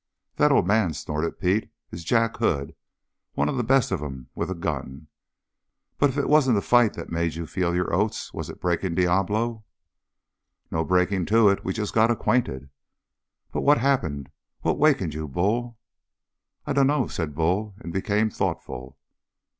"That old man," snorted Pete, "is Jack Hood, one of the best of 'em with a gun. But if it wasn't the fight that made you feel your oats, was it breaking Diablo?" "No breaking to it. We just got acquainted." "But what's happened? What's wakened you, Bull?" "I dunno," said Bull and became thoughtful.